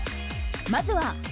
まずは「＃